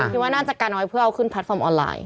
คิดว่าน่าจะการน้อยเพื่อเอาขึ้นแพลตฟอร์มออนไลน์